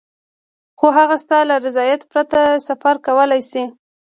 خو هغه ستا له رضایت پرته سفر کولای شي.